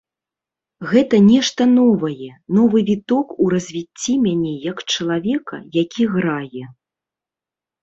Гэта нешта новае, новы віток у развіцці мяне як чалавека, які грае.